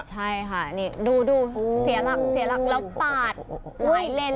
ใช่ค่ะนี่ดูเสียหลักแล้วปาดไหนเล่น